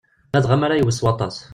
Ladɣa mi ara yewwet s waṭas.